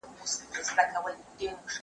زه بايد سبزېجات جمع کړم!!